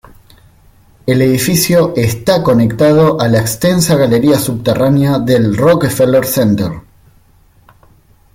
El edificio está conectado a la extensa galería subterránea del Rockefeller Center.